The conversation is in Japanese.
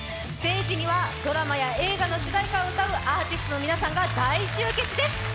ステージにはドラマや映画の主題歌を歌うアーティストの皆さんが大集結です。